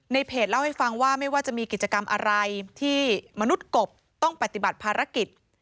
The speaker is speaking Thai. เพจเล่าให้ฟังว่าไม่ว่าจะมีกิจกรรมอะไรที่มนุษย์กบต้องปฏิบัติภารกิจ